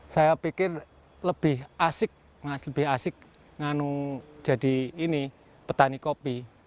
saya pikir lebih asik mas lebih asik nganu jadi ini petani kopi